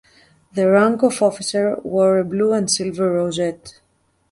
The rank of officer wore a blue and silver rosette.